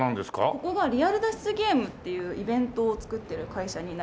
ここがリアル脱出ゲームっていうイベントを作ってる会社になります。